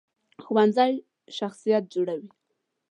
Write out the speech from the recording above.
ښوونځی شخصیت جوړوي